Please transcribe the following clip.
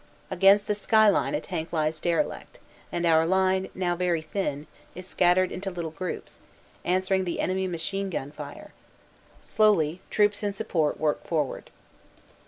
Against the skyline a tank lies derelict, and our line, now very thin, is scattered into little groups, answering the enemy machine gun fire. Slowly troops in support work forward.